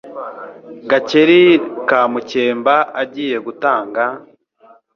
Gakeli ka Mukemba agiye gutanga,